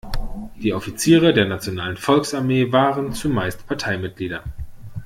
Die Offiziere der Nationalen Volksarmee waren zumeist Parteimitglieder.